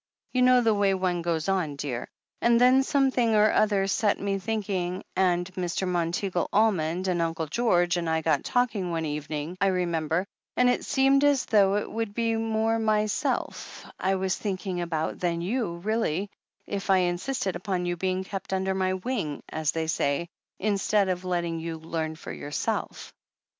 You know the way one goes on, dear. And then something or other set me thinking — and Mr. Monteagle Almond and Uncle George and I got talking one evening, I remem ber, and it seemed as though it would be more myself 438 THE HEEL OF ACHILLES I was thinking about than you, really, if I insisted upon you being kept under my wing, as they say, in stead of letting you learn for yourself.